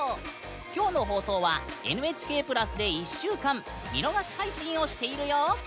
今日の放送は「ＮＨＫプラス」で１週間見逃し配信をしているよ！